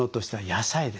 野菜。